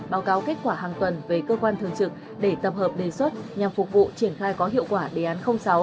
báo cáo kết quả hàng tuần về cơ quan thường trực để tập hợp đề xuất nhằm phục vụ triển khai có hiệu quả đề án sáu